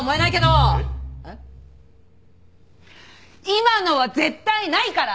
今のは絶対ないから！